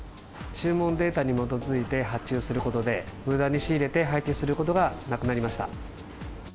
注文データに基づいて発注することで、むだに仕入れて廃棄することがなくなりました。